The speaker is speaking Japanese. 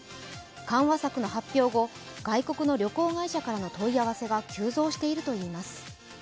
緩和策の発表後、外国の旅行会社からの問い合わせが急増しているといいます。